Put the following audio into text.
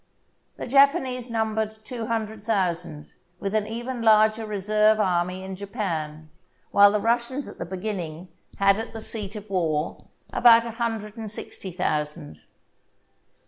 The Japanese numbered two hundred thousand, with an even larger reserve army in Japan, while the Russians at the beginning had at the seat of war about a hundred and sixty thousand.